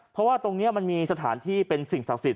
เพราะว่าตรงนี้มันมีสถานที่เป็นสิ่งศักดิ์สิท